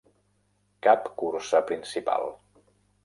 Cap cursa principal.